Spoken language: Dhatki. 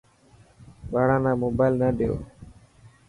ٻاڙا نا موبائل نه ڏيو.